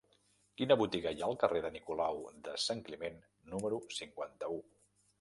Quina botiga hi ha al carrer de Nicolau de Sant Climent número cinquanta-u?